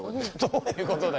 どういうことだよ。